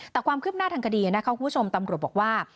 แต่ความคืบหน้าทางคดีนะคะคุณผู้ชมตำรวจบอกว่า